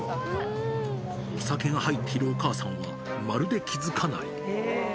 お酒が入っているお母さんは、まるで気付かない。